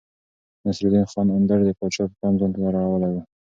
نصرالدين خان اندړ د پاچا پام ځانته رااړولی و.